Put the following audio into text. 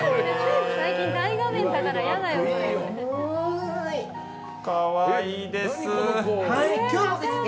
最近大画面だから嫌だよね。